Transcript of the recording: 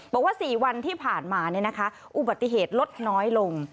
บอกว่า๔วันที่ผ่านมาอุบัติเหตุลดน้อยลง